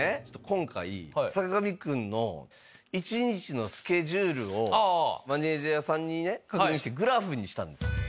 ちょっと今回坂上くんの１日のスケジュールをマネジャーさんにね確認してグラフにしたんです。